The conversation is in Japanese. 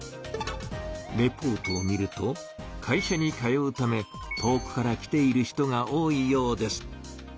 レポートを見ると会社に通うため遠くから来ている人が多いようです。